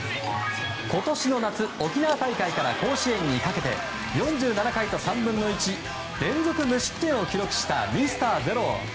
今年の夏、沖縄大会から甲子園にかけて４７回３分の１連続無失点を記録したミスターゼロ。